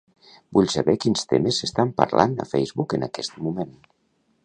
Vull saber quins temes s'estan parlant a Facebook en aquest moment.